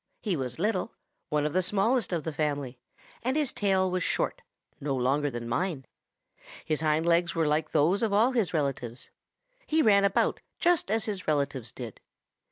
He was little, one of the smallest of the family, and his tail was short, no longer than mine. His hind legs were like those of all his relatives. He ran about just as his relatives did.